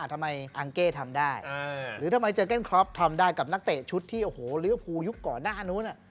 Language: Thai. ทำไมอังเก้ทำได้หรือทำไมเจอเก้นครอปทำได้กับนักเตะชุดที่โอ้โหลิเวอร์ภูยุคก่อนหน้านู้น